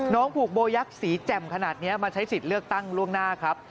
ผูกโบยักษ์สีแจ่มขนาดนี้มาใช้สิทธิ์เลือกตั้งล่วงหน้าครับ